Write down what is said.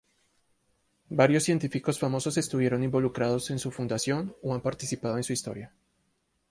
Varios científicos famosos estuvieron involucrados en su fundación o han participado en su historia.